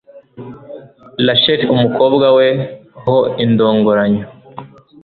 Rasheli umukobwa we ho indongoranyo